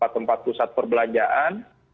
tempat pusat perbelanjaan